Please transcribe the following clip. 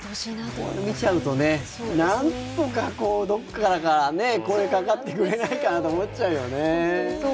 こういうの見ちゃうとねなんとかどっかから声がかかってくれないかなと思っちゃうよね。